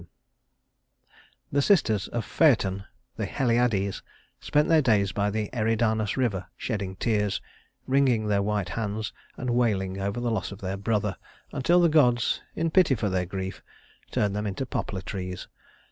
XI The sisters of Phaëton, the Heliades, spent their days by the Eridanus River shedding tears, wringing their white hands, and wailing over the loss of their brother, until the gods, in pity for their grief, turned them into poplar trees.